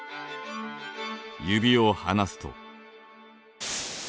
指を離すと。